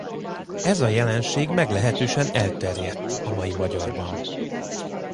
Ez a jelenség meglehetősen elterjedt a mai magyarban.